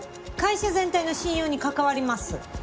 会社全体の信用に関わります。